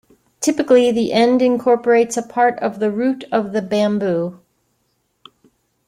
Typically, the end incorporates a part of the root of the bamboo.